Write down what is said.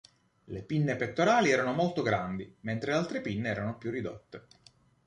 Le pinne pettorali erano molto grandi, mentre le altre pinne erano più ridotte.